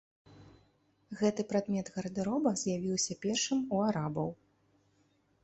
Гэты прадмет гардэроба з'явіўся першым у арабаў.